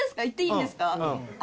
行っていいんですか？